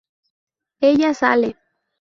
Ella sale.